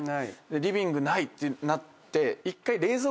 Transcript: リビングないってなって１回。